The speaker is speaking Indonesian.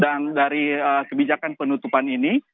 dan dari kebijakan penutupan ini